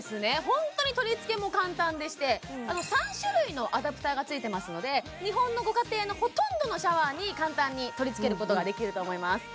ホントに取り付けも簡単でして３種類のアダプターが付いてますので日本のご家庭のほとんどのシャワーに簡単に取り付けることができると思います